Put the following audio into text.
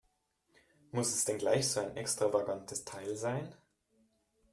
Muss es denn gleich so ein extravagantes Teil sein?